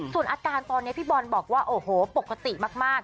ส่วนอาการตอนนี้พี่บอลบอกว่าโอ้โหปกติมาก